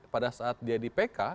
pada saat dia di pk